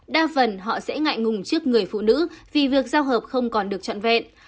đa phần họ sẽ ngại ngùng trước người phụ nữ vì việc giao hợp không còn được trọn vẹn